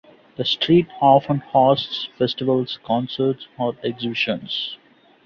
The street often hosts festivals, concerts or exhibitions.